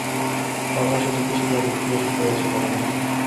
বারবার সে জিজ্ঞাসা করিল কী অসুখ হইয়াছে পরনের।